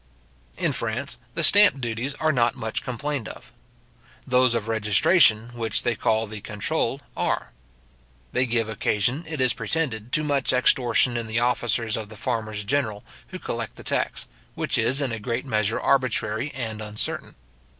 In France, the stamp duties are not much complained of. Those of registration, which they call the Controle, are. They give occasion, it is pretended, to much extortion in the officers of the farmers general who collect the tax, which is in a great measure arbitrary and uncertain.